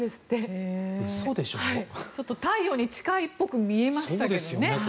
太陽に近いっぽく見えましたけどね。